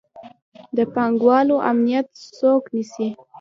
د پانګوالو امنیت څوک نیسي؟